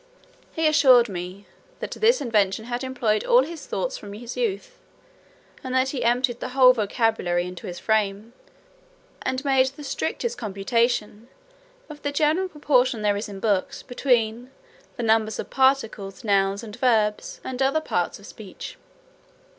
He assured me "that this invention had employed all his thoughts from his youth; that he had emptied the whole vocabulary into his frame, and made the strictest computation of the general proportion there is in books between the numbers of particles, nouns, and verbs, and other parts of speech."